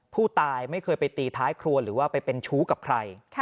ผู้ตายไม่เคยไปตีท้ายครัวหรือว่าไปเป็นชู้กับใคร